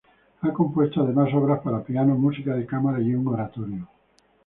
Ha compuesto además obras para piano, música de cámara y un oratorio.